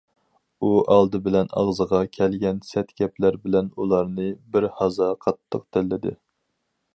ئۇ ئالدى بىلەن ئاغزىغا كەلگەن سەت گەپلەر بىلەن ئۇلارنى بىر ھازا قاتتىق تىللىدى.